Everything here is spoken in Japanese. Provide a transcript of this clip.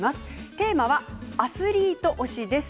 テーマはアスリート推しです。